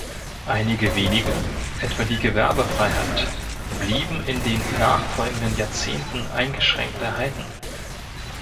Einige wenige, etwa die Gewerbefreiheit, blieben in den nachfolgenden Jahrzehnten eingeschränkt erhalten.